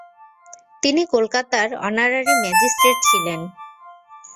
তিনি কলকাতার honorary magistrate ছিলেন।